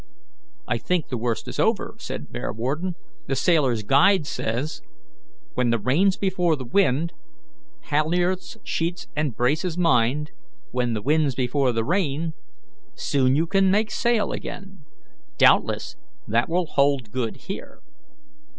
"I think the worst is over," said Bearwarden. "The Sailor's Guide says: 'When the rain's before the wind, Halliards, sheets, and braces mind; When the wind's before the rain, Soon you can make sail again.' Doubtless that will hold good here."